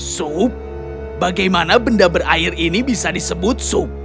sup bagaimana benda berair ini bisa disebut sup